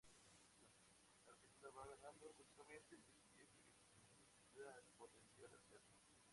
La partícula va ganando continuamente energía que suministra el potencial alterno.